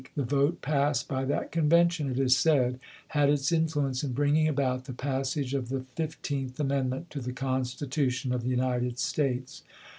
The vote passed by that convention, it is said, had its influence in bringing about the passage of the Fifteenth Amendment to the Constitution of the United States.